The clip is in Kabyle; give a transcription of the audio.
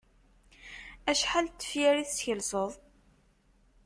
Acḥal n tefyar i teskelseḍ?